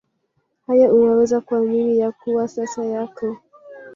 hayo Unaweza kuamini ya kuwa sasa yako